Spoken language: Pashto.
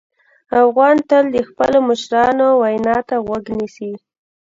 افغان تل د خپلو مشرانو وینا ته غوږ نیسي.